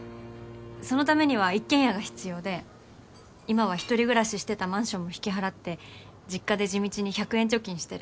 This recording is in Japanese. そのためには一軒家が必要で今は一人暮らししてたマンションも引き払って実家で地道に１００円貯金してる。